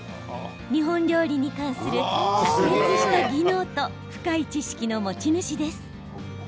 日本料理に関する卓越した技能と深い知識の持ち主です。